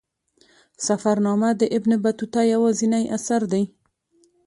سفرنامه د ابن بطوطه یوازینی اثر دی.